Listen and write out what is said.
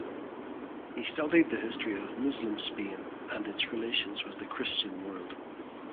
He studied the history of Muslim Spain and its relations with the Christian world.